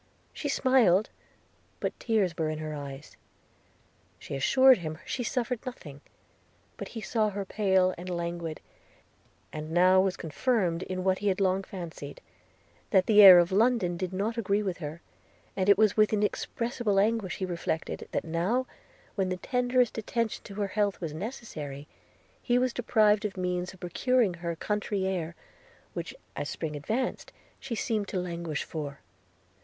– She smiled, but tears were in her eyes – She assured him she suffered nothing; but he saw her pale and languid, and now was confirmed in what he had long fancied, that the air of London did not agree with her; and it was with inexpressible anguish he reflected, that now, when the tenderest attention to her health was necessary, he was deprived of the means of procuring her country air, which, as spring advanced, she seemed to languish for.